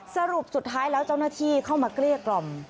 สรุปสุดท้ายแล้วเจ้าหน้าที่เข้ามาเกลี้ยกล่อม